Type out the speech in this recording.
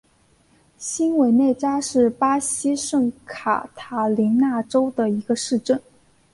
新韦内扎是巴西圣卡塔琳娜州的一个市镇。